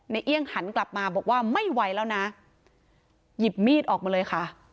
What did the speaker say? เอี่ยงหันกลับมาบอกว่าไม่ไหวแล้วนะหยิบมีดออกมาเลยค่ะ